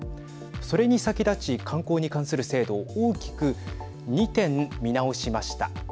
それに先立ち観光に関する制度を大きく２点、見直しました。